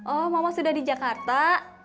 oh mama sudah di jakarta